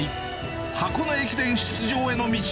箱根駅伝出場への道。